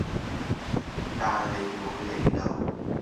但你無嚟到